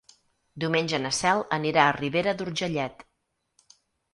Diumenge na Cel anirà a Ribera d'Urgellet.